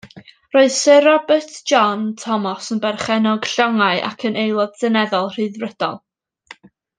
Roedd Syr Robert John Thomas yn berchennog llongau ac yn Aelod Seneddol Rhyddfrydol.